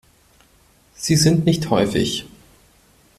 Sie sind nicht häufig.